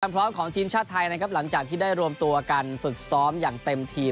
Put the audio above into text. ความพระอยอนของทีมชาติไทยหลังจากที่ได้รวมตัวการฝึกซ้อมอย่างเต็มทีม